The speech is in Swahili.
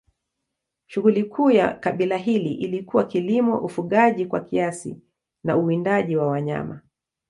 Shughuli kuu ya kabila hili ilikuwa kilimo, ufugaji kwa kiasi na uwindaji wa wanyama.